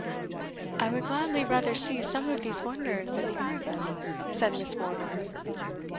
"I would gladly rather see some of these wonders than hear of them," said Miss Wardour.